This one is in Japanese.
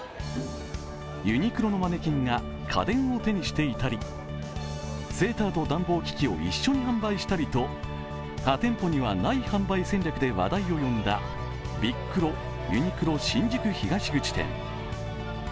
ユニクロのマネキンが家電を手にしていたりセーターと暖房機器を一緒に販売したりと他店舗にはない販売戦略で話題を呼んだビックロユニクロ新宿東口店。